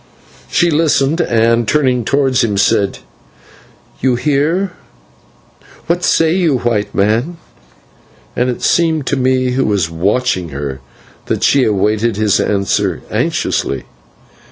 She listened, and, turning towards him, said, "You hear. What say you, White Man?" and it seemed to me, who was watching her, that she awaited his answer anxiously.